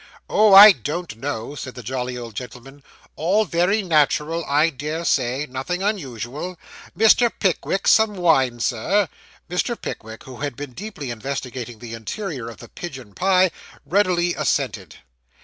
'Oh! I don't know,' said the jolly old gentleman; 'all very natural, I dare say nothing unusual. Mr. Pickwick, some wine, Sir?' Mr. Pickwick, who had been deeply investigating the interior of the pigeon pie, readily assented.